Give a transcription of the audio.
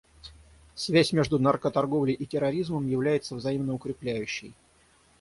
Связь между наркоторговлей и терроризмом является взаимно укрепляющей.